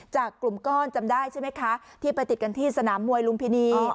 จากกลุ่มก้อนจำได้ใช่ไหมคะที่ไปติดกันที่สนามมวยลุมพินี